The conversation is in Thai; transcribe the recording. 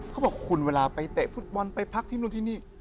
เขาบอกคุณเวลาไปเตะฟุตบอลไปพักที่นู่นที่นี่